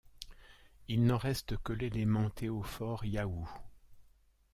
Il n'en reste que l’élément théophore -yahu.